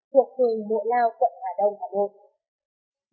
thuộc đường mội nào quận hòa đông hà nội